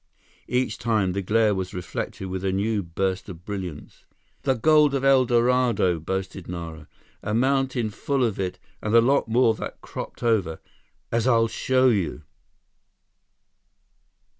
Each time, the glare was reflected with a new burst of brilliance. "The gold of El Dorado!" boasted Nara. "A mountain full of it and a lot more that cropped over, as I'll show you!"